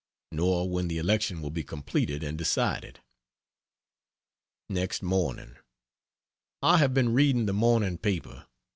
Nor when the election will be completed and decided. Next Morning. I have been reading the morning paper.